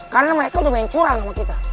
karena mereka udah main curang sama kita